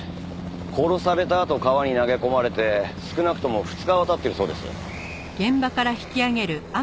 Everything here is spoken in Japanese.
殺されたあと川に投げ込まれて少なくとも２日は経っているそうです。